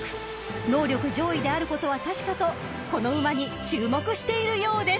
［能力上位であることは確かとこの馬に注目しているようです］